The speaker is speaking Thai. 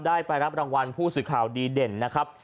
ไปรับรางวัลผู้สื่อข่าวดีเด่นนะครับ